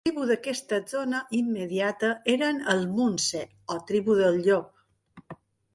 La tribu d'aquesta zona immediata eren els munsee o Tribu del Llop.